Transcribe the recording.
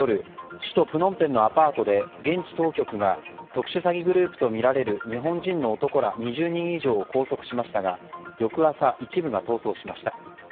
首都プノンペンのアパートで現地当局が特殊詐欺グループとみられる日本人の男ら２０人以上を拘束しましたが翌朝、一部が逃走しました。